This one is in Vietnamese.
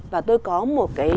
và tôi có một cái